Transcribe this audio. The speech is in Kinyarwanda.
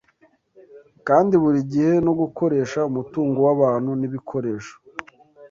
kandi buri gihe no gukoresha umutungo w'abantu n'ibikoresho